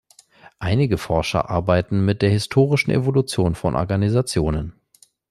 Einige Forscher arbeiten mit der historischen Evolution von Organisationen.